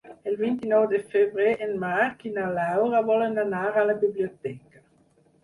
El vint-i-nou de febrer en Marc i na Laura volen anar a la biblioteca.